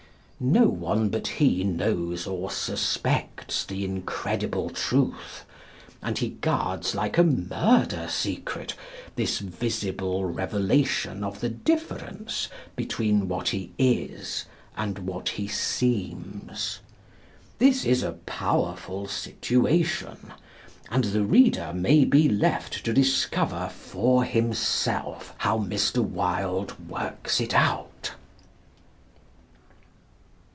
No one but he knows or suspects the incredible truth; and he guards like a murder secret this visible revelation of the difference between what he is and what he seems. This is a powerful situation; and the reader may be left to discover for himself how Mr. Wilde works it out.